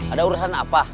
ada urusan apa